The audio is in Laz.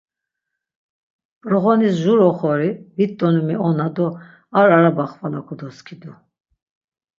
P̌roğonis jur oxori, vit donimi ona do ar araba xvala kodoskidu.